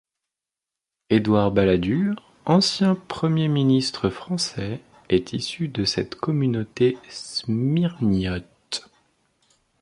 Édouard Balladur, ancien Premier ministre français, est issu de cette communauté smyrniote.